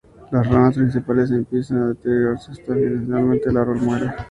Las ramas principales empiezan a deteriorarse hasta que finalmente el árbol muere.